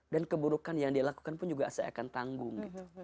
dan keburukan yang dilakukan pun juga saya akan tanggung